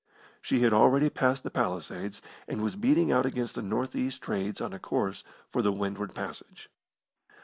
She had already passed the Palisades, and was beating out against the north east trades on a course for the Windward Passage.